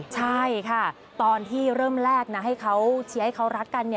ใช่ค่ะตอนที่เริ่มแรกนะให้เขาเชียร์ให้เขารักกัน